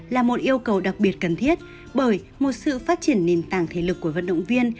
là một yêu cầu đặc biệt cần thiết bởi một sự phát triển nền tảng thể lực của vận động viên